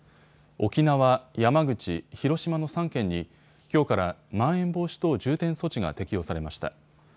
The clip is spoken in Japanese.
沖縄、山口、広島の３県にきょうからまん延防止等重点措置が適用されました。